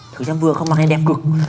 thử xem vừa không mặc hay đẹp cực